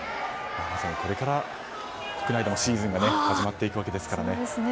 これから国内でもシーズンが始まっていくわけですからね。